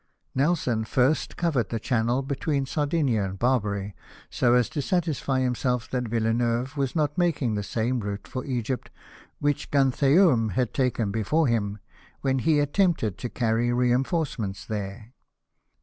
Nelson first covered the channel between Sardinia and Barbary, so as to satisfy himself that Villeneuve was not taking the same route for Egypt which Gantheaume had taken before him, when he at tempted to carry reinforcements there.